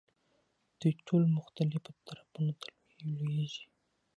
دوی ټول مختلفو طرفونو ته لویېږي.